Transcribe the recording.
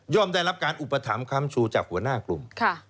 ได้รับการอุปถัมภัมชูจากหัวหน้ากลุ่ม